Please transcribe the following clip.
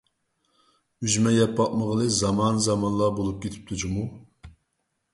ئۈجمە يەپ باقمىغىلى زامان-زامانلار بولۇپ كېتىپتۇ جۇمۇ.